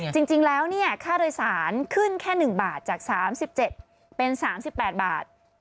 จริงแล้วค่าโดยสารขึ้นแค่๑บาทจาก๓๗เป็น๓๘บาท